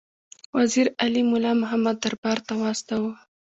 وزیر علي مُلا محمد دربار ته واستاوه.